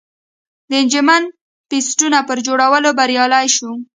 د انجن پېسټون پر جوړولو بریالی شو.